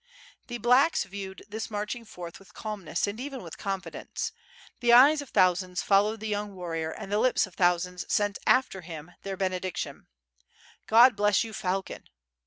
The "blacks" viewed this marching forth with calmness and even with confidence. The eyes of thousands followed the young warrior and the lips of thousands sent after him their benediction: "God bless you. Falcon!